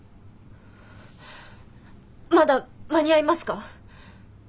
まだ間に合いますか？